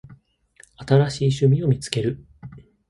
新しい趣味を見つける